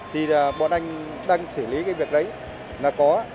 thì bọn anh đang xử lý cái việc đấy là có